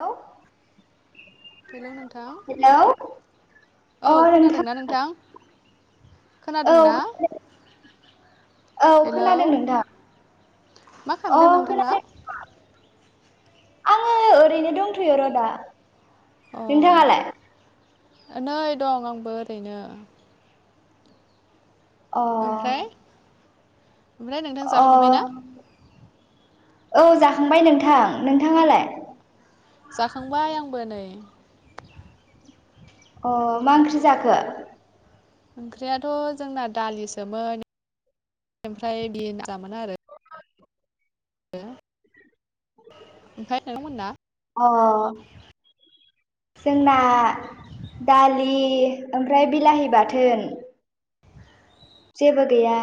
Hello hello नोंथां औ खोनादोंना नोंथां? औ खोनादों ना औ हेलौ खोनादों नोंथां मा अ खालामदों नोंथाङा खोनादों नोंथा आंङो ओरैनो दंथ'यो र' दा नोंथांङालाय अ नै दं आंबो ओरैनो अ ओमफ्राय ओमफ्राय नोंथां अ जाखांबाय ना औ जाखांबाय नोंथां नोंथाङालाय जाखांबाय आंबो नै अ मा ओंख्रि जाखो ओंख्रियाथ' जोंना दालिसोमोन ओमफ्राय बिन जामोन आरो। हो [unintelligible] अ जोंना। दालि ओमफ्राय बिलाहि बाथोन। जेबो गैया।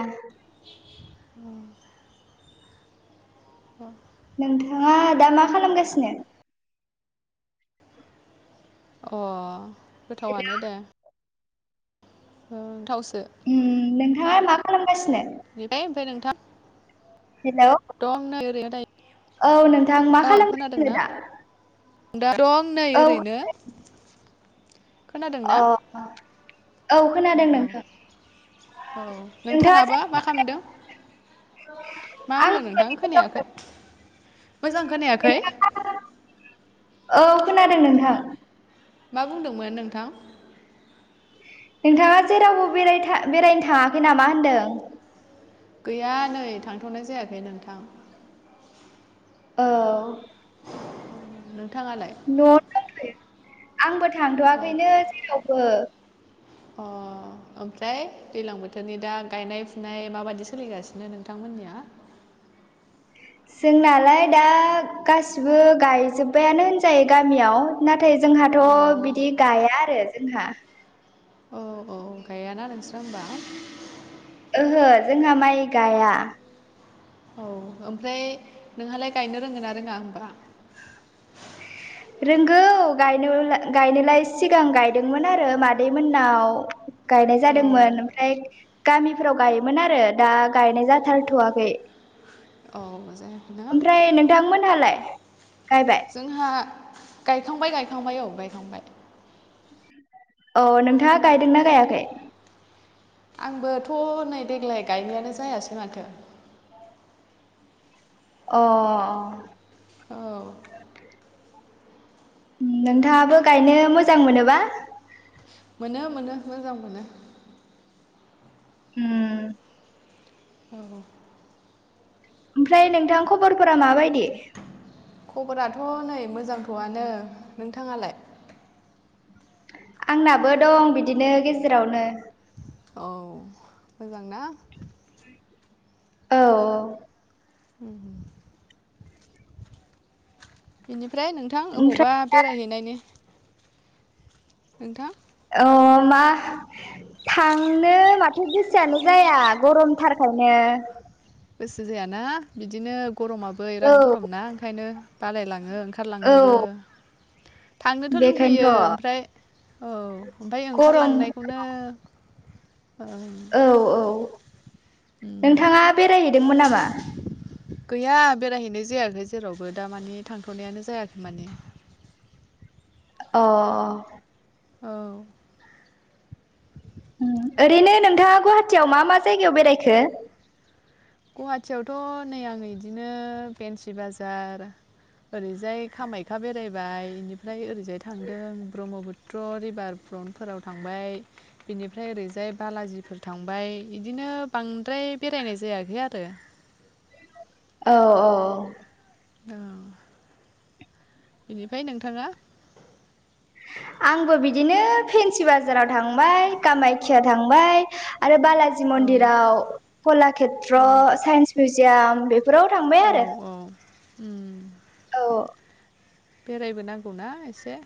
अ। नोंथाङा दा मा खालामगासिनो। अ गोथावानो दे थावस। उम नोंथांङा मा खालामगासिनो। बेफ्राय ओमफ्राय नोंथां। हेलौ। दं नैय ओरैनो। औ नोंथां मा दायो औ खालामगासिनो खोनादोंना दा। दा दं नै औ ओरैनो। अ। खोनादोंना औ खोनादों नोंथां औ नोंथाङा नोंथाङाबा जेराव मा बेरायदों खालामदों। मा आं होनदों नोंथां ओरैनो खोनायाखै। दं। मोजां खोनायाखै। नोंथाङा औ खोनादों नोंथां। मा बुंदोंमोन नोंथां। नोंथाङा जेरावबो बेरायनो थाङाखै नामा होनदों। गैया नै थांथ'नाय जायाखै नोंथां। औ। [unintelligible] न'आवनो दंथयो। आंबो अ थांथ'आखैनो जेरावबो। अ। ओमफ्राय दैलां बोथोरनि दा गायनाय फुनाय माबायदि सोलिगासिनो नोंथांमोननिया। [inaudible] जोंनालाय दा गासिबो गायजोब्बायानो होनजायो गामियाव ना। नाथाय अ जोंहाथ' बिदि गाया आरो जोंहा। औ औ गायाना नोंस्रा होमबा। ओहो जोंहा माइ गाया। औ ओमफ्राय नोंहालाय गायनो रोंगोना रोङा होमबा। [inaudible] रोंगौ गायनोलाय सिगां गायदोंमोन आरो मादै मोननाव। गायनाय औ जादोंमोन ओमफ्राय। गामिफोराव गायोमोन आरो दा गायनाय जाथारथ'वाखै। औ जायाखैना ओमफ्राय नोंथांमोनहालाय गायबाय। जोंहा गायखांबाय गायखांबाय औ गायखांबाय। औ नोंथाङा गायदोंना गायाखै। आंबोथ' नै देग्लाय गायनायानो जायासै माथो। अ। औ नोंथाङाबो गायनो मोजां मोनोबा? मोनो मोनो मोजां मोनो। उम। औ। ओमफ्राय नोंथां खबरफोरा माबायदि? खबराथ' नै मोजांथ'आनो नोंथाङालाय? आंनाबो दं बिदिनो गेजेरावनो। औ मोजां ना? औ। उम। बेनिफ्राय नोंथां ओमफ्राय अबावबा बेरायहैनायनि। नोंथां। अ मा थांनो माथो गोसोआनो जाया गरमथार। बेखायनो। गोसो जायाना बिदिनो गरमाबो औ बिराद गरम ना ओंखायनो बालायलाङो। ओ औ ओंखारलांनोबो। थांनोथ' लुबैयो बेखायनोथ' ओमफ्राय औ ओमफ्राय गरम ओंखारलांनायखौनो। ओं औ औ। उम। नोंथाङा बेरायहैदोंमोन नामा? गैया बेरायहैनाय जायाखै जेरावबो दा मानि थांथ'नायानो जायाखै माने। अ। औ। ओरैनो नोंथाङा गुवाहाटियाव मा मा जायगायाव बेरायखो? गुवाहाटियावथ' नै आङो इदिनो फेन्सि बाजार। ओरैजाय कामाख्या बेरायबाय बेनिफ्राय ओरैजाय थांदों ब्रह्मपुत्र रिभार। क्रनफोराव थांबाय बिनिफ्राय ओरैजाय बालाजिफोर थांबाय बिदिनो बांद्राय बेरायनाय जायाखै आरो। औ औ औ। औ। बेनिफ्राय नोंथाङा? आंबो बिदिनो फेेनसि बाजाराव थांबाय कामायख्या थांबाय। आरो बालाजि औ मन्दिराव कलाषेत्र अ साइन्स मिउजियाम बे फोराव थांबाय औ आरो। औ उम। औ बेरायबोनांगौना एसे।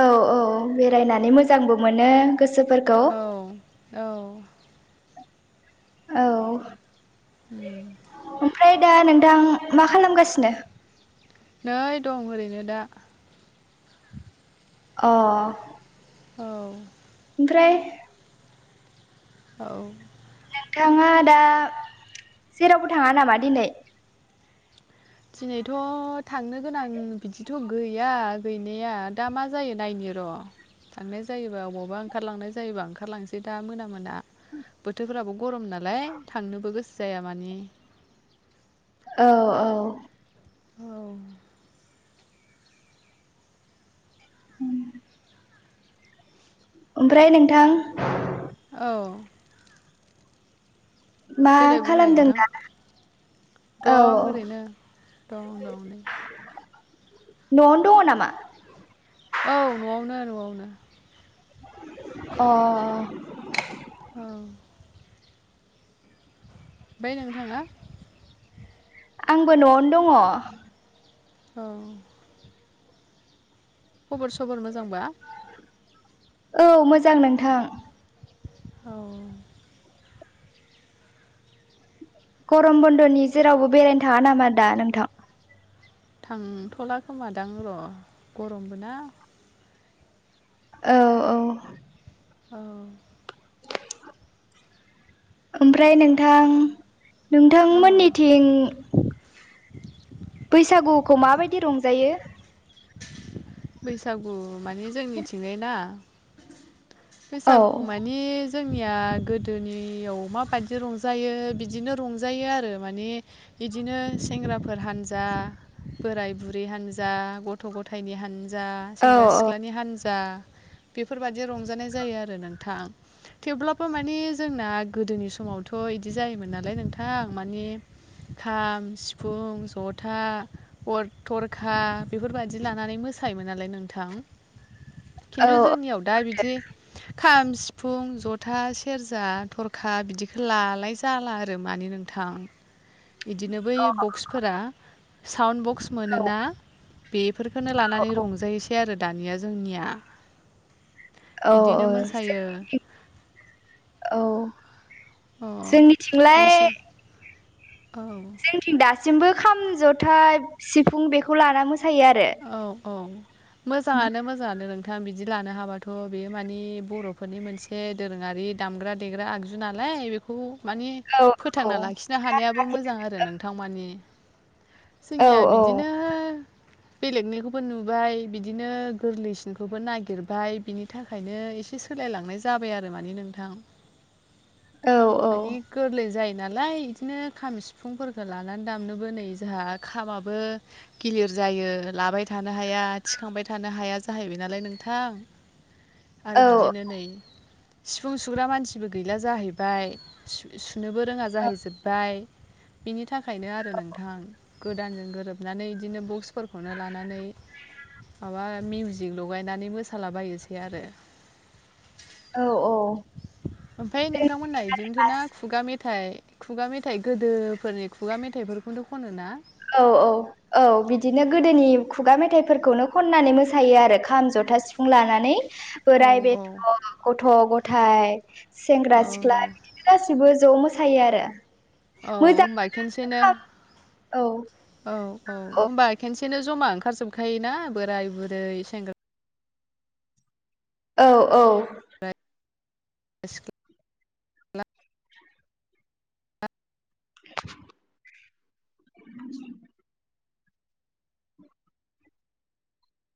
औ औ बेरायनानै मोजांबो मोनो गोसो। औ औ। औ। उम। ओमफ्राय दा नोंथां मा खालामगासिनो? नै दं ओरैनो दा। अ। औ। ओमफ्राय औ। नोंथाङा दा जेरावबो थाङा नामा दिनै? दिनैथ' थांनो गोनां बिदिथ' गैया गैनाया दा मा जायो नायनो। र' थांनाय जायोबा अबावबा ओंखारलांनाय जायोबा ओंखारलांनोसै दा मोना मोना। बोथोरफोराबो गरम नालाय थांनोबो गोसो जाया माने। औ औ। औ। उम ओमफ्राय नोंथां औ। मा देलाय बुंलाय खालामदों नोंथां दा? औ दं ओरैनो दं दं। न'आवनो दङ नामा? औ न'आवनो न'आवनो अ औ बै नोंथाङा आंबो न'आवनो दङ। औ खबर सबर मोजांबा? औ मोजां नोंथां। औ गरम बन्द'नि जेरावबो बेरायनो थाङा नामा दा नोंथां? थांथ'ला खोमादां र' गरमबो ना औ औ औ ओमफ्राय नोंथां औ नोंथांमोननिथिं बैसागुखौ माबायदि रं जायो? बैसागु माने जोंनिथिंजाय ना औ बैसागुखौ माने जोंनिया गोदोनियाव माबायदि रंजायो बिदिनो रंजायो आरो माने बिदिनो सेंग्राफोर हानजा बोराय बुरै हानजा गथ थ' गथायनि हानजा औ सेंग्रा सिख्लानि हानजा बेफोरबायदि रंजानाय जायो आरो नोंथां। थेवब्लाबो माने जोंना गोदोनि समावथ' बिदि जायोमोन नालाय नोंथां माने खाम सिफुं जथा अर थरखा बेफोरबा दि लानानै मोसायोमोन नालाय नोंथां औ खिन्थु जोंनियाव दा बिदि खाम सिफुं जथा सेरजा थरखा बिदिखो लालाय जाला आरो माने नोंथां। [inaudible] बिदिनो बै औ बक्सफोरा साउन्ड बक्स मोनोना बे बेफोरखौनो लानानै रंजायोसै आरो दानिया जोंनिया। औ औ बिदिनो मोसायो जोंनिथिं औ अ जोंनिथिंलाय नोंसि औ जोंनि दासिमबो खाम जथा सिफुं बेखौ लाना मोसा औ औ मोजाङानो मोजाङानो नों नोंथां बिदि लानो हाबाथ' बेयो मानि बर'फोरनि मोनसे दोरोङारि दामग्रा देग्रा आगजु नालाय लाय बेखौ मानि औ फोथांना लाखिनो हानायाबो मोजां आरो नोंथां मानि। औ जोंनिया औ बिदिनो बेलेगनिखौबो नुबाय बिदिनो गोरलैसिनखौबो नागिरबाय बिनि थाखायनो एसे सोलायलांनाय जाबाय आरो माने नोंथां औ मानि गोरलै जाय नालाय बिदिनो खाम सिफुंफोरखौ लानानै दामनोबो नै जोंहा खामाबो गिलिर जायो। लाबाय थानो हाया थिखांबाय थानो हाया जाहैबाय नालाय नोंथां। आरो औ बिदिनो नै सिफुं सुग्रा मानसिबो गैला जाहैबाय सु सुनोबो रोङा जाहैजोबबाय बिनि थाखायनो आरो नोंथां गोदानजों गोरोबनानै बिदिनो बक्सफोरखौ। [unintelligible] लानानै माबा मिउजिक लगायनानै मोसालाबायोसै आरो औ औ ओमफ्राय जों नोंथांमोनना बिदिनोथ' ना गासिबो खुगा मेथाइ खुगा मेथाइ गोदोफोरनि खुगा मेथाइफोरखौनो खनो ना? औ औ औ बिदिनो गोदोनि खुगा मेथाइफोरखौनो खननानै मोसायो आरो खाम जथा जथा सिफुं लानानै औ बोराय बेथ' गथ' गथाय औ सेंग्रा सिख्ला बिदिनो गासैबो ज' मोसायो आरो। औ मोजां होमबा खनसेनो खाम औ औ औ होमबा खेनसेनो जमा ओंखारजोबखायोना बोराय बुरै, सेंग्रा औ औ। [unintelligible] [inaudible]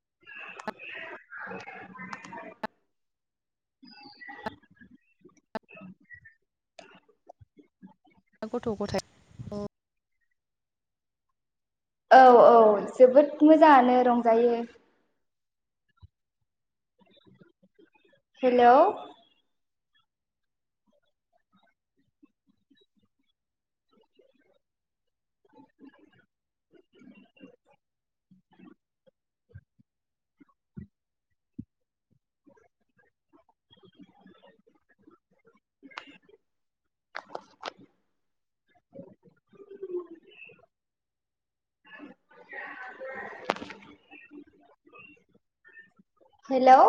[unintelligible] [inaudible] गथ' गथाय औ औ जोबोद मोजाङानो रंजायो। Hello [inaudible] [inaudible] [unintelligible] hello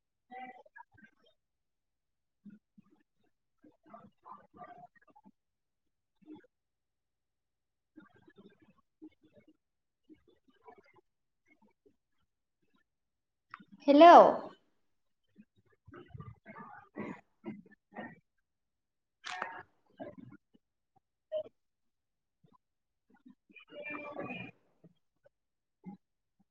[inaudible] [inaudible] [inaudible] hello [inaudible] [inaudible] [inaudible]